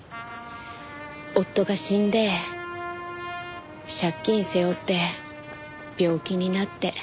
夫が死んで借金背負って病気になって。